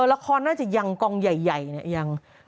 ราคอน่าจะยังกองใหญ่อย่างนี้